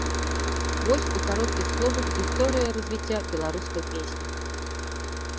Вось у кароткіх словах гісторыя развіцця беларускай песні.